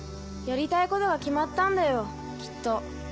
やりたいことが決まったんだよきっと。